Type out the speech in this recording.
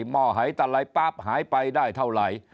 หม้อหายตลายป๊าบหายไปได้เท่าไร